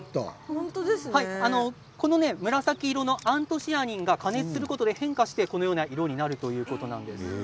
この紫色のアントシアニンが加熱することで変化してこのような色になるということなんです。